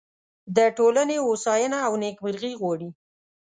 د ټولنې هوساینه او نیکمرغي غواړي.